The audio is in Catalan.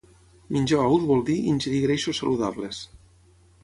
Menjar ous vol dir ingerir greixos saludables